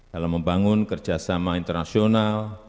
dalam membangun kerjasama internasional